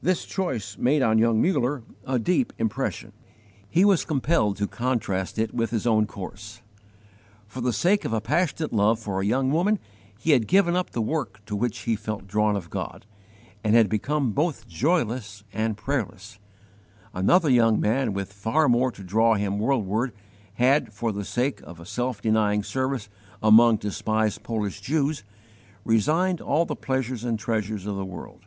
This choice made on young Muller a deep impression. He was compelled to contrast with it his own course. For the sake of a passionate love for a young woman he had given up the work to which he felt drawn of God, and had become both joyless and prayerless: another young man, with far more to draw him worldward, had, for the sake of a self denying service among despised Polish Jews, resigned all the pleasures and treasures of the world.